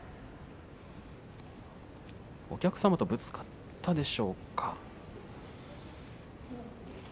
お客様とぶつかったでしょうか。